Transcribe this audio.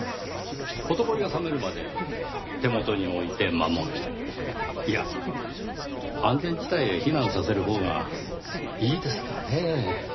ほとぼりが冷めるまで手元に置いて守るいや安全地帯へ避難させるほうがいいですかねぇ。